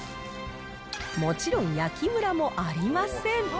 もちろん、焼きむらもありません。